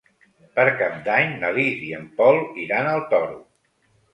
Per Cap d'Any na Lis i en Pol iran al Toro.